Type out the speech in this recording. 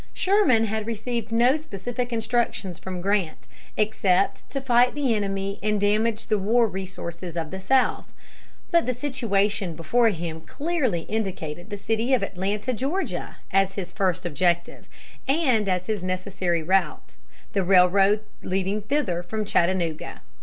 Sherman had received no specific instructions from Grant, except to fight the enemy and damage the war resources of the South; but the situation before him clearly indicated the city of Atlanta, Georgia, as his first objective, and as his necessary route, the railroad leading thither from Chattanooga.